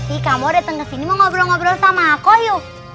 i kamu datang ke sini mau ngobrol ngobrol sama aku yuk